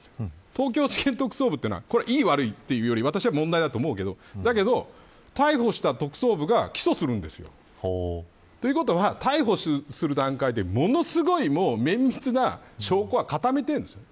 東京地検特捜部というのはいい悪いというより私は問題だと思うけどだけど逮捕した特捜部が起訴するんですよ。ということは逮捕する段階で、ものすごい綿密な証拠は固めているんですよ。